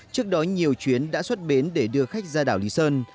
trước đó nhiều chuyến đã xuất bến để đưa khách ra đảo lý sơn